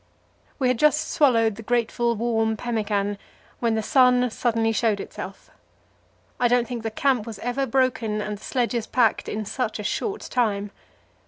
We had just swallowed the grateful warm pemmican when the sun suddenly showed itself. I don't think the camp was ever broken and the sledges packed in such a short time.